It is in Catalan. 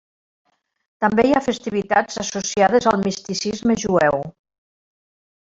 També hi ha festivitats associades al misticisme jueu.